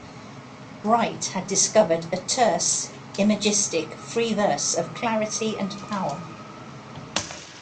Wright had discovered a terse, imagistic, free verse of clarity, and power.